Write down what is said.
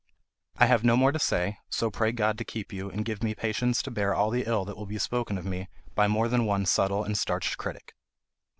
I have no more to say, so pray God to keep you, and give me patience to bear all the ill that will be spoken of me by more than one subtle and starched critic.